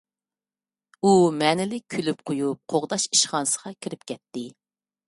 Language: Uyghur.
ئۇ مەنىلىك كۈلۈپ قويۇپ، قوغداش ئىشخانىسىغا كىرىپ كەتتى.